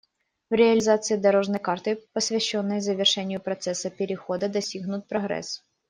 В реализации «дорожной карты», посвященной завершению процесса перехода, достигнут прогресс.